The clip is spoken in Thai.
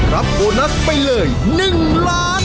รับโบนัสไปเลย๑ล้าน